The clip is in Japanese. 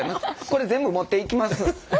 これ全部持っていきます。